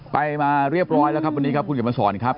ไปมาเรียบร้อยแล้วครับวันนี้ครับคุณเขียนมาสอนครับ